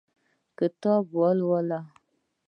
کتاب ولوله